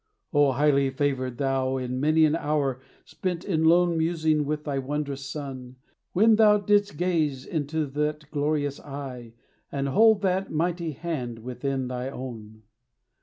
O, highly favored thou, in many an hour Spent in lone musing with thy wondrous Son, When thou didst gaze into that glorious eye, And hold that mighty hand within thy own.